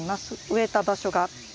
植えた場所が。